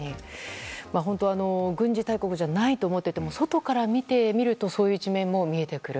本当は軍事大国じゃないと思っていても外から見てみるとそういう一面も見えてくる。